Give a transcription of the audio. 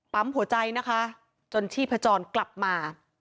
ปั๊มหัวใจนะคะจนที่พจรกลับมา